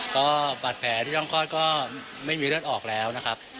ก็บาดแผลที่ช่องคลอดก็ไม่มีเลือดออกแล้วนะครับ